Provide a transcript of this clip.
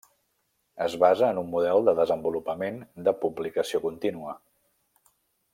Es basa en un model de desenvolupament de publicació contínua.